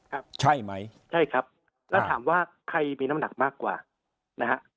ครับใช่ไหมใช่ครับแล้วถามว่าใครมีน้ำหนักมากกว่านะฮะ